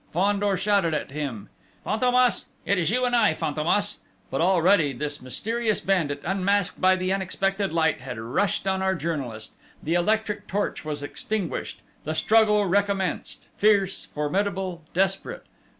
Fandor shouted at him. "Fantômas! It's you and I, Fantômas!" But, already, this mysterious bandit, unmasked by the unexpected light, had rushed on our journalist. The electric torch was extinguished. The struggle recommenced, fierce, formidable, desperate!